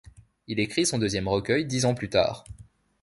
Il écrit son deuxième recueil dix ans plus tard.